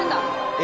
え？